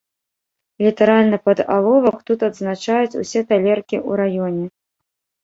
Літаральна пад аловак тут адзначаюць усе талеркі ў раёне!